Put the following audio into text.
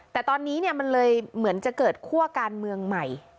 แต่ตอนนี้มันเลยเหมือนจะเกิดคั่วการเมืองใหม่